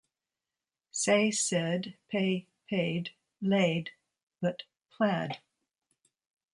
Say—said, pay—paid, laid, but plaid.